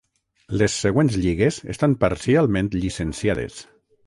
Les següents lligues estan parcialment llicenciades.